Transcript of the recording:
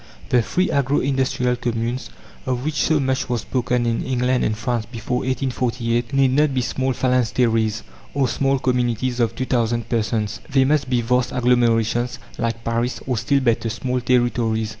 The free agro industrial communes, of which so much was spoken in England and France before 1848, need not be small phalansteries, or small communities of 2000 persons. They must be vast agglomerations, like Paris, or, still better, small territories.